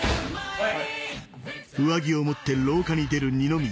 はい。